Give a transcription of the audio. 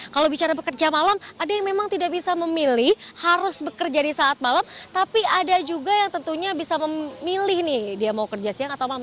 kalau bicara pekerja malam ada yang memang tidak bisa memilih harus bekerja di saat malam tapi ada juga yang tentunya bisa memilih nih dia mau kerja siang atau malam